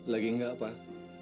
lagi enggak pak